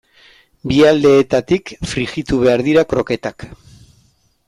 Bi aldeetatik frijitu behar dira kroketak.